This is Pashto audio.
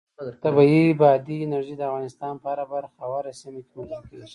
طبیعي بادي انرژي د افغانستان په هره برخه او هره سیمه کې موندل کېږي.